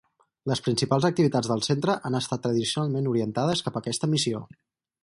Les principals activitats del Centre han estat tradicionalment orientades cap aquesta missió.